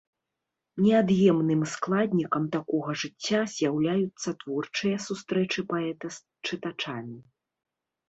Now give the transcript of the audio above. Неад'емным складнікам такога жыцця з'яўляюцца творчыя сустрэчы паэта з чытачамі.